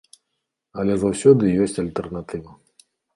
Але заўсёды ёсць альтэрнатыва.